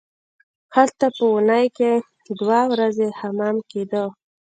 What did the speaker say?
هلته په اونۍ کې دوه ورځې حمام کیده.